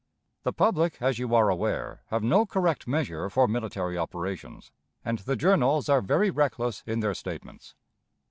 The public, as you are aware, have no correct measure for military operations, and the journals are very reckless in their statements.